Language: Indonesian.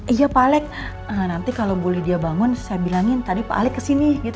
iya pak alex nanti kalau bu lidia bangun saya bilangin tadi pak alex kesini gitu ya